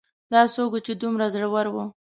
دا څوک و چې دومره زړور و